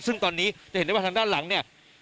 ซึ่งตอนนี้จะเห็นได้ว่าทางด้านหลังเนี่ย